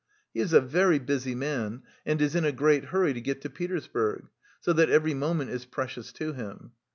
He is a very busy man and is in a great hurry to get to Petersburg, so that every moment is precious to him.